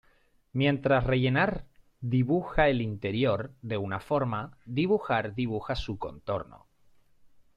Mientras rellenar dibuja el interior de una forma, dibujar dibuja su contorno.